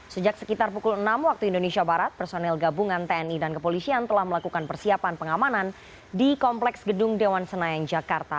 sejak sekitar pukul enam waktu indonesia barat personel gabungan tni dan kepolisian telah melakukan persiapan pengamanan di kompleks gedung dewan senayan jakarta